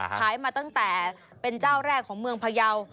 ขายมาตั้งแต่เป็นเจ้าแรกของเมืองพยาว